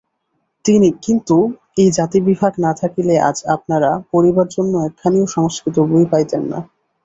কিন্তু এই জাতিবিভাগ না থাকিলে আজ আপনারা পড়িবার জন্য একখানিও সংস্কৃত বই পাইতেন না।